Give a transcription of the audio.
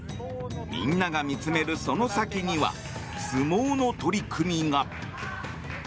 みんなが見つめるその先には相撲の取組が。